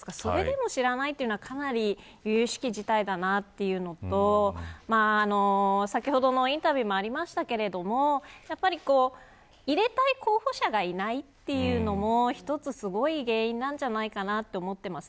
それでも知らないというのはかなり由々しき事態だなというのと先ほどのインタビューにもありましたが入れたい候補者がいないというのも一つすごい原因なんじゃないかなと思います。